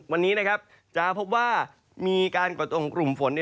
วันนี้จะพบว่ามีการก่อตัวของกลุ่มฝน